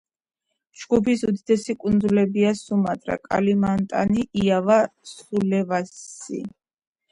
ჯგუფის უდიდესი კუნძულებია: სუმატრა, კალიმანტანი, იავა, სულავესი.